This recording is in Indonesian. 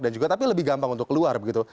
dan juga tapi lebih gampang untuk keluar begitu